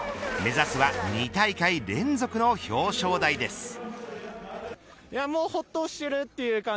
目指すは２大会連続の表彰台です。